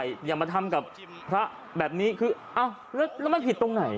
อย่ามาทำกับพระแบบนี้คืออ้าวแล้วมันผิดตรงไหน